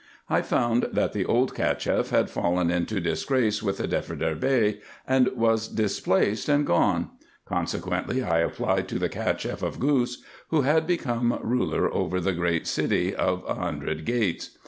I found that the old Cacheff had fallen into disgrace with the Defterdar Bey, and was displaced and gone ; con sequently I applied to the Cacheff of Ghous, who had become ruler over the great city of a hundred gates.